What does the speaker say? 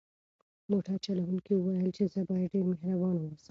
موټر چلونکي وویل چې زه باید ډېر مهربان واوسم.